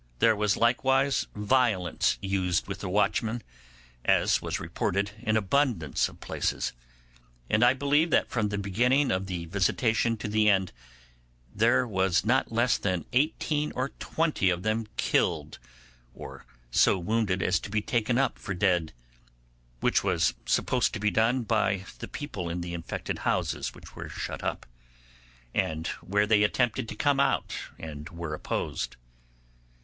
There was likewise violence used with the watchmen, as was reported, in abundance of places; and I believe that from the beginning of the visitation to the end, there was not less than eighteen or twenty of them killed, or so wounded as to be taken up for dead, which was supposed to be done by the people in the infected houses which were shut up, and where they attempted to come out and were opposed.